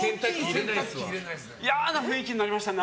嫌な雰囲気になりましたね。